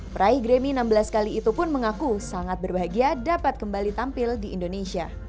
peraih grammy enam belas kali itu pun mengaku sangat berbahagia dapat kembali tampil di indonesia